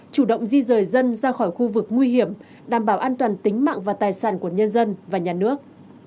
chủ động di rời dân ra khỏi khu vực nguy hiểm đảm bảo an toàn tính mạng và tài sản của nhân dân và nhà nước